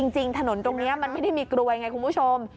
จริงถนนตรงนี้มันไม่ได้มีกลวยไงคุณผู้ชม